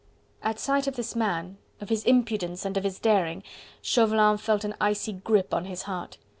At sight of this man, of his impudence and of his daring, Chauvelin felt an icy grip on his heart.